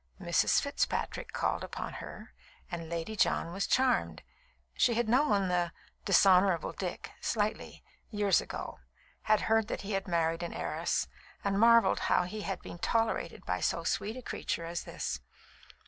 Mrs. Fitzpatrick called upon her, and Lady John was charmed. She had known the "Dishonourable Dick" slightly, years ago, had heard that he had married an heiress, and marvelled now that he had been tolerated by so sweet a creature as this.